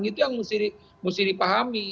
itu yang mesti dipahami